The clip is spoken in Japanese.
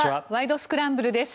スクランブル」です。